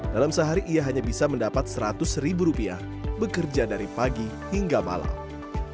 dalam sehari ia hanya bisa mendapat seratus ribu rupiah bekerja dari pagi hingga malam